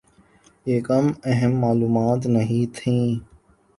یہ کم اہم معلومات نہیں تھیں۔